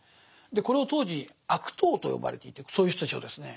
これを当時「悪党」と呼ばれていてそういう人たちをですね。